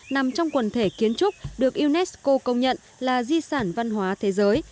nằm trong quần thể kiến trúc được unesco công nhận là di sản văn hóa thế giới